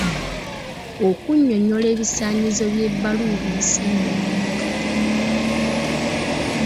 Okunnyonnyola ebisaanyizo by'ebbaluwa esemba omuntu.